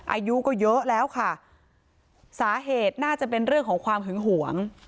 อายุก็เยอะแล้วค่ะสาเหตุน่าจะเป็นเรื่องของความหึงหวง